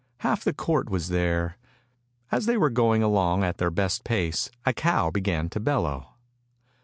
Half the court was there. As they were going along at their best pace a cow began to bellow.